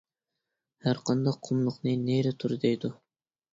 ھەر قانداق قۇملۇقنى نېرى تۇر دەيدۇ.